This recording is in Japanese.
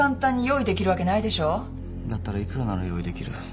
「だったら幾らなら用意できる？」